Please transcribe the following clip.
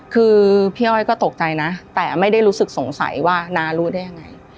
คือพี่อ้อยก็ตกใจนะแต่ไม่ได้รู้สึกสงสัยว่าน้ารู้ได้ยังไง